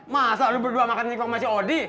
masa lo berdua makan singkong sama si odi